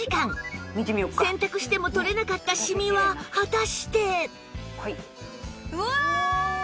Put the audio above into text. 洗濯しても取れなかったシミは果たして